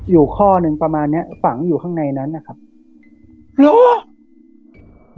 อยู่ข้อหนึ่งประมาณเนี้ยฝังอยู่ข้างในนั้นนะครับเหรอ